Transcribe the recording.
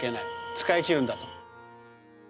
使い切るんだと。